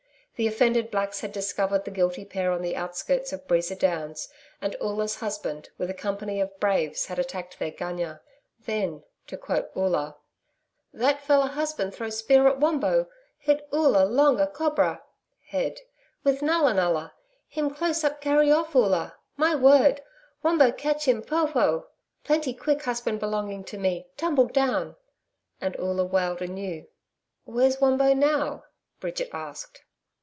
The offended blacks had discovered the guilty pair on the outskirts of Breeza Downs, and Oola's husband, with a company of braves, had attacked their gunya. Then to quote Oola 'that feller husband throw spear at Wombo hit Oola long a COBRA (head) with NULLA NULLA. Him close up carry off Oola. My word! Wombo catch him PHO PHO. Plenty quick husband belonging to me TUMBLE DOWN.' And Oola wailed anew. 'Where's Wombo now?' Bridget asked.